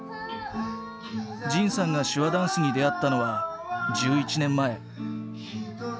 仁さんが手話ダンスに出会ったのは１１年前。